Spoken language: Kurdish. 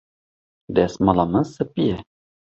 Destmala min spî ye.